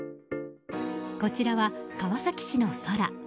こちらは、川崎市の空。